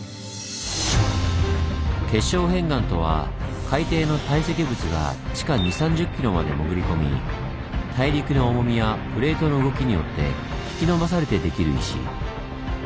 結晶片岩とは海底の堆積物が地下２０３０ｋｍまで潜り込み大陸の重みやプレートの動きによって引き伸ばされてできる石。